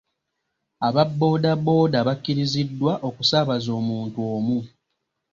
Aba boodabooda bakkiriziddwa okusaabaza omuntu omu.